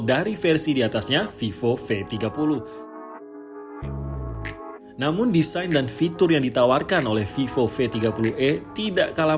dari versi diatasnya vivo v tiga puluh namun desain dan fitur yang ditawarkan oleh vivo v tiga puluh e tidak kalah